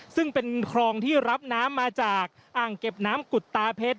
ซึ่งเป็นคลองที่รับน้ำมาจากอ่างเก็บน้ำกุฎตาเพชร